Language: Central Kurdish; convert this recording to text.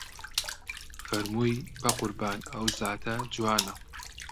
فەرمووی بە قوربان ئەو زاتە جوانە